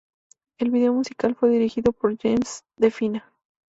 El video musical fue dirigido por James DeFina.